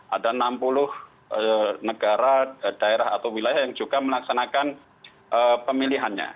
ada enam puluh negara daerah atau wilayah yang juga melaksanakan pemilihannya